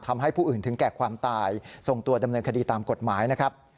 ทำให้ผู้อื่นถึงแก่ความตายส่งตัวดำเนินคดีตามกฎหมายนะครับ